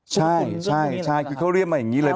ใช่ใช่คือเขาเรียกมาอย่างนี้เลย